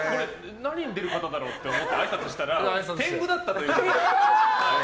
何に出る方だろうと思ってあいさつしたら天狗だったということで。